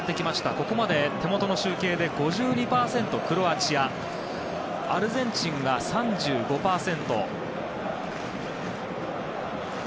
ここまで手元の集計でクロアチアが５２％アルゼンチンが３５％。